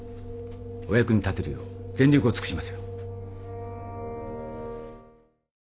お役に立てるよう全力を尽くしますよ。